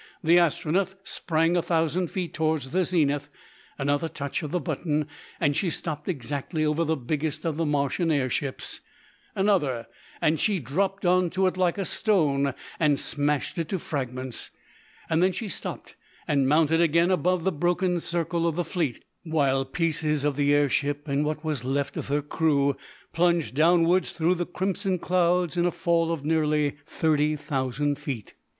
The Astronef sprang a thousand feet towards the zenith; another touch on the button, and she stopped exactly over the biggest of the Martian air ships; another, and she dropped on to it like a stone and smashed it to fragments. Then she stopped and mounted again above the broken circle of the fleet, while the pieces of the air ship and what was left of her crew plunged downwards through the crimson clouds in a fall of nearly thirty thousand feet.